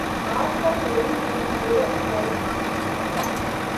آج کل میری ڈیوٹی ڈیرہ اسماعیل خان میں ہے